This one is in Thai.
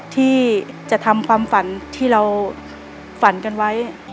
ที่จะทำความฝันที่เราฝันกันไว้